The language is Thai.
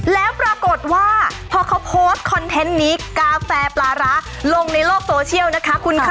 แล้วปรากฏว่าพอเขาโพสต์คอนเทนต์นี้กาแฟปลาร้าลงในโลกโซเชียลนะคะคุณค่ะ